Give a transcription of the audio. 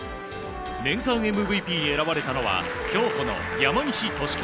年間ＭＶＰに選ばれたのは競歩の山西利和。